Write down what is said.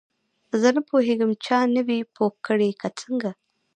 زه نه پوهیږم چا نه وې پوه کړې که څنګه.